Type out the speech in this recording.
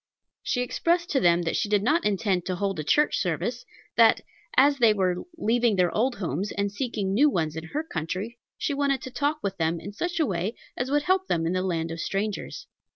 She explained to them that she did not intend to hold a church service; that, as they were leaving their old homes and seeking new ones in her country, she wanted to talk with them in such a way as would help them in the land of strangers.